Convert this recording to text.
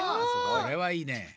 これはいいね。